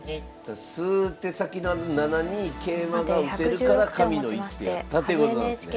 数手先のあの７二桂馬が打てるから神の一手やったということなんですね。